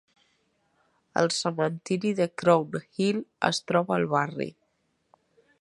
El cementiri de Crown Hill es troba al barri.